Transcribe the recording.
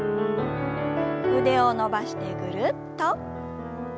腕を伸ばしてぐるっと。